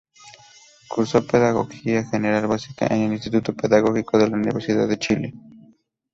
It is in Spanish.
Cursó pedagogía general básica en el Instituto Pedagógico de la Universidad de Chile.